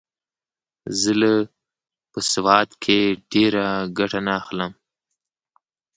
زه له په سواد کښي ډېره ګټه نه اخلم.